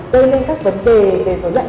tươi lên các vấn đề về số lượng